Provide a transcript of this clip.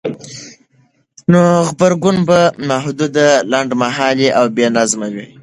نو غبرګون به محدود، لنډمهالی او بېنظمه وای؛